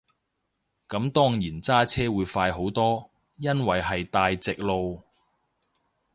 咁當然揸車會快好多，因為係大直路